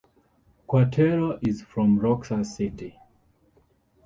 Cuartero is from Roxas City.